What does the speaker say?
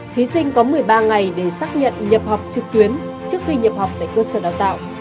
thí sinh có một mươi ba ngày để xác nhận nhập học trực tuyến trước khi nhập học tại cơ sở đào tạo